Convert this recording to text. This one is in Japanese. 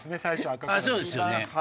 あぁそうですよね。